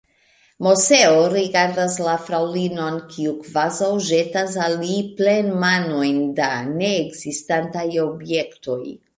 Moseo rigardas la fraŭlinon, kiu kvazaŭ ĵetas al li plenmanojn da neekzistantaj objektoj.